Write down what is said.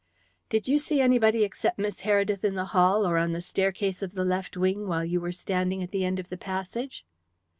"Did you see anybody except Miss Heredith in the hall or on the staircase of the left wing while you were standing at the end of the passage?"